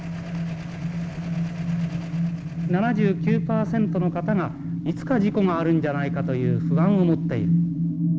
７９％の方がいつか事故があるんじゃないかという不安を持っている。